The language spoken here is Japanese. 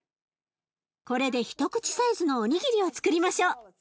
これで一口サイズのおにぎりをつくりましょう。